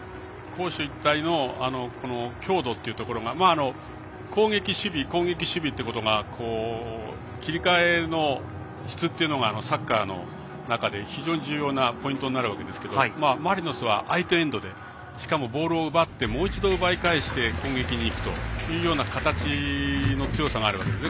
攻守一体の強度というところが攻撃、守備、攻撃、守備っていうところが切り替えの質っていうのがサッカーの中で非常に重要なポイントになるわけですけどマリノスは相手エンドでしかもボールを奪ってもう一度、奪い返して攻撃にいくというような形の強さがあるわけです。